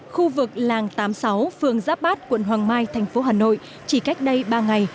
khu vực làng tám mươi sáu phường giáp bát quận hoàng mai thành phố hà nội chỉ cách đây ba ngày